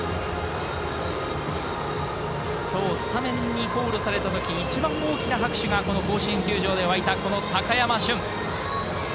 今日スタメンにコールされた時、一番大きな拍手が甲子園球場で沸いた、この高山俊。